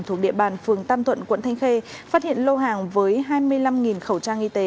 thuộc địa bàn phường tam thuận quận thanh khê phát hiện lô hàng với hai mươi năm khẩu trang y tế